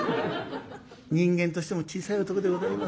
人間としても小さい男でございます。